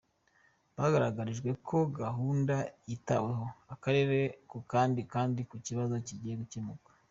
Bagaragarijwe ko gahunda yitaweho, akarere ku kandi iki kibazo kigiye gukemuka.